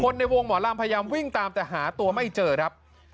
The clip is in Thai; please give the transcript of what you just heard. ในวงหมอลำพยายามวิ่งตามแต่หาตัวไม่เจอครับ